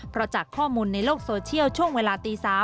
เพราะจากข้อมูลในโลกโซเชียลช่วงเวลาตี๓